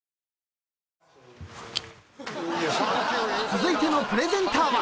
［続いてのプレゼンターは］